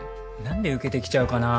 何で受けてきちゃうかな。